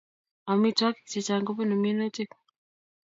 Amitwogik chechang kobunu minutik